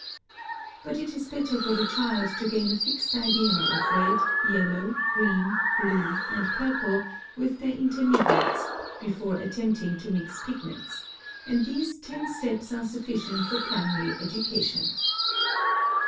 (60) But it is better for the child to gain a fixed idea of red, yellow, green, blue, and purple, with their intermediates, before attempting to mix pigments, and these ten steps are sufficient for primary education.